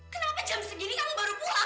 kenapa jam sendiri kamu baru pulang